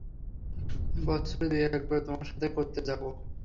বছরে দুই এক বার তোমার সাথে করতে যাব।